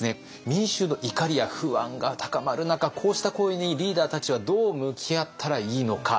民衆の怒りや不安が高まる中こうした声にリーダーたちはどう向き合ったらいいのか